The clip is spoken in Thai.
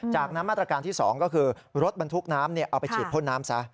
จากนั้นมาตรการที่๒ก็คือรถบรรทุกน้ำเอาไปฉีดพ่นน้ำซะ